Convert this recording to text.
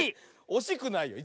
おしくないよ。